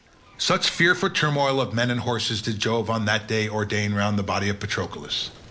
Such fearful turmoil of men and horses did Jove on that day ordain round the body of Patroclus.